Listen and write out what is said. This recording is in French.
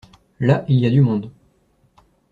Là, il y a du monde.